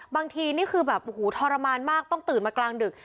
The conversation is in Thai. บางทีนี่คือแบบโอ้โหทรมานมากต้องตื่นมากลางดึก